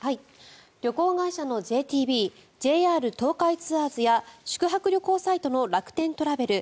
旅行会社のＪＴＢＪＲ東海ツアーズや宿泊旅行サイトの楽天トラベル